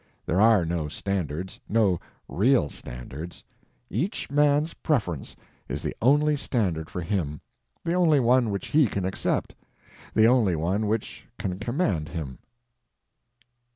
There are no standards—no real standards. Each man's preference is the only standard for him, the only one which he can accept, the only one which can command him.